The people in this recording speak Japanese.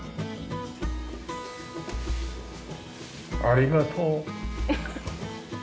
ありがとう。